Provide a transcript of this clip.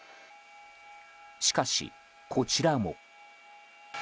しかし、こちらも。